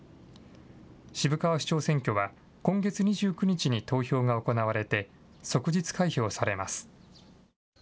渋川市長選挙は今月２９日に投票が行われて即日開票されます。